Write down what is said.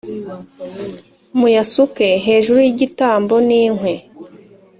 muyasuke hejuru y’igitambo n’inkwi